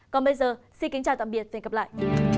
còn bây giờ xin kính chào tạm biệt và hẹn gặp lại